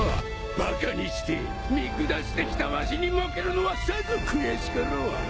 バカにして見下してきたわしに負けるのはさぞ悔しかろう。